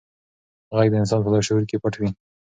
غږ د انسان په لاشعور کې پټ وي.